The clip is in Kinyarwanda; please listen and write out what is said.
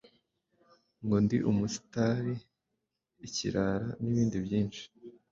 ngo ndi Umusitari ,ikirara n’ibindi byinshi.